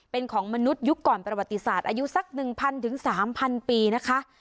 เป็นของมนุษยุคก่อนประวัติศาสตร์อายุสัก๑๐๐๓๐๐ปีนะคะ